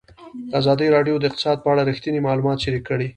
ازادي راډیو د اقتصاد په اړه رښتیني معلومات شریک کړي.